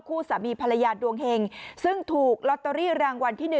สามีภรรยาดวงเห็งซึ่งถูกลอตเตอรี่รางวัลที่๑